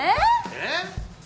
えっ？